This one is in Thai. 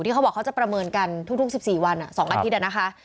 ที่เขาบอกเขาจะประเมินกันทุกทุก๑๔วันอ่ะ๒อาทิตย์แหละนะคะ